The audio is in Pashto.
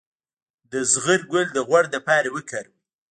د زغر ګل د غوړ لپاره وکاروئ